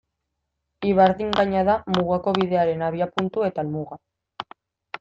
Ibardin gaina da Mugako Bidearen abiapuntu eta helmuga.